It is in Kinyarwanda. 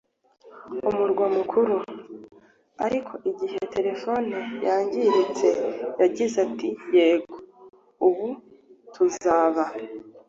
umurwa mukuru. ariko igihe terefone yangiritse yagize ati yego, ubu tuzaba